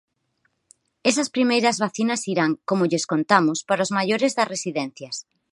Esas primeiras vacinas irán, como lles contamos, para os maiores das residencias.